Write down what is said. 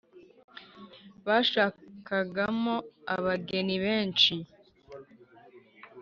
bashakagamo abageni benshi